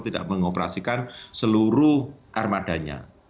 tidak mengoperasikan seluruh armadanya